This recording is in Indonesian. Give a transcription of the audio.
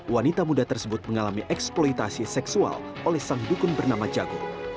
wanita muda tersebut mengalami eksploitasi seksual oleh sang dukun bernama jago